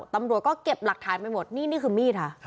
ตำรวจก็เก็บหลักฐานไปหมดนี่นี่คือมีดค่ะ